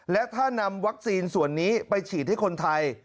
และถ้านำวัคซีนส่วนนี้ไปฉีดให้คนไทย